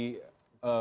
kalau kipu satu